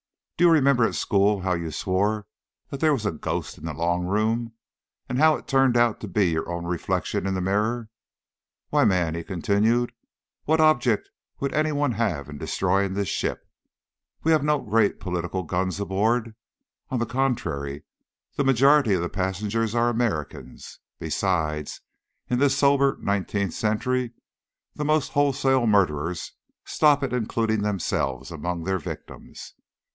Do you remember at school how you swore there was a ghost in the long room, and how it turned out to be your own reflection in the mirror. Why, man," he continued, "what object would any one have in destroying this ship? We have no great political guns aboard. On the contrary, the majority of the passengers are Americans. Besides, in this sober nineteenth century, the most wholesale murderers stop at including themselves among their victims.